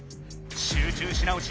集中し直し